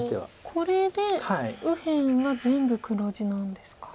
これで右辺は全部黒地なんですか。